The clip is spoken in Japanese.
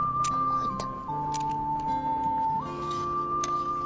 入った。